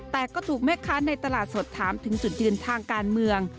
แต่ก็ถูกแม่ค้าในตลาดสดถามถึงจุดยืนทางการเมือง